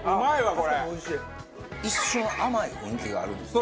一瞬甘い雰囲気があるんですよ。